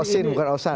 osin bukan osan ya